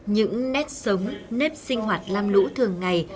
những nét sống nét sinh hoạt làm lũ thường ngày